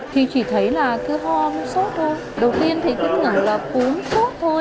thì chỉ thấy là cứ ho sốt thôi đầu tiên thấy cứ ngẩn là cúm sốt thôi